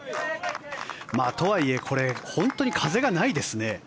とはいえこれ、本当に風がないですね。